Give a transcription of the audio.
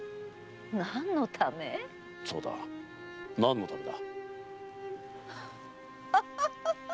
そうだ何のためだ？